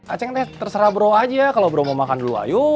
aceh deh terserah bro aja kalau bro mau makan dulu ayo